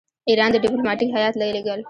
ایران ته ډیپلوماټیک هیات لېږل.